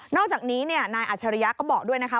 อกจากนี้นายอัชริยะก็บอกด้วยนะคะ